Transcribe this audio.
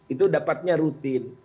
itu dapatnya rutin